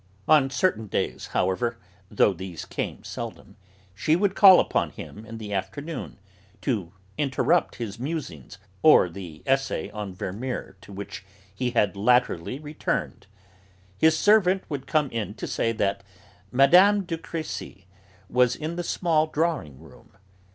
On certain days, however, though these came seldom, she would call upon him in the afternoon, to interrupt his musings or the essay on Vermeer to which he had latterly returned. His servant would come in to say that Mme. de Crécy was in the small drawing room.